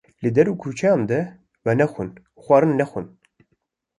Li der û kuçeyan de venexwin û xwarin nexwin